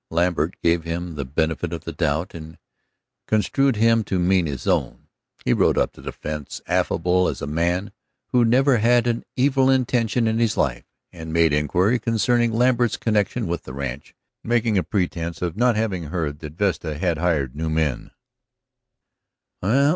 Lambert gave him the benefit of the doubt and construed him to mean his own. He rode up to the fence, affable as a man who never had an evil intention in his life, and made inquiry concerning Lambert's connection with the ranch, making a pretense of not having heard that Vesta had hired new men.